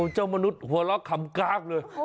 เจ้ามนุษย์หัวเราะขำกากเลย